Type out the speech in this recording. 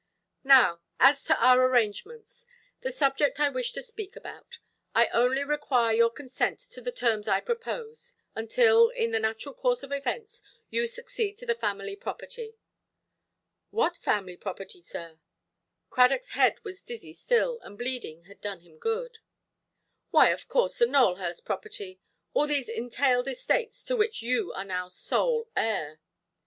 "Now, as to our arrangements—the subject I wished to speak about. I only require your consent to the terms I propose, until, in the natural course of events, you succeed to the family property". "What family property, sir"? Cradockʼs head was dizzy still, the bleeding had done him good. "Why, of course, the Nowelhurst property; all these entailed estates, to which you are now sole heir".